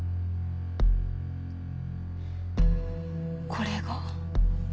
これが。